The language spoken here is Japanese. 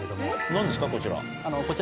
何ですかこちら。